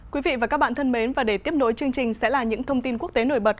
quý vị và các bạn thân mến và để tiếp nối chương trình sẽ là những thông tin quốc tế nổi bật